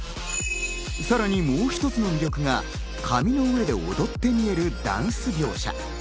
さらにもう一つの魅力が、紙の上で踊って見えるダンス描写。